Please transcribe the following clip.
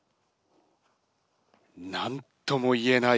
何とも言えない